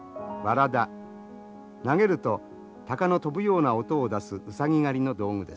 投げるとタカの飛ぶような音を出すウサギ狩りの道具です。